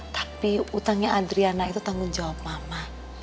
tapi utangnya adriana itu tanggung jawab lama